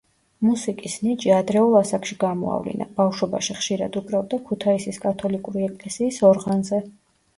მუსიკის ნიჭი ადრეულ ასაკში გამოავლინა: ბავშვობაში ხშირად უკრავდა ქუთაისის კათოლიკური ეკლესიის ორღანზე.